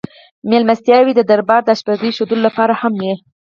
مېلمستیاوې د دربار د اشپزۍ ښودلو لپاره هم وې.